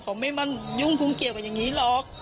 เขาไม่มั่นยุ่งภูมิเกียจกันอย่างนี้หรอก